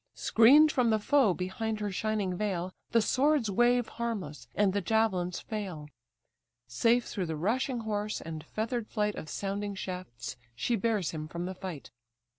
Screen'd from the foe behind her shining veil, The swords wave harmless, and the javelins fail; Safe through the rushing horse, and feather'd flight Of sounding shafts, she bears him from the fight.